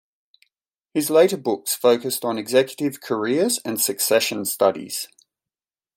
His later books focused on executive careers and succession studies.